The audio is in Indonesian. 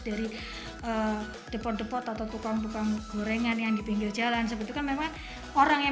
dari depot depot atau tukang tukang gorengan yang di pinggir jalan sebetulnya memang orang yang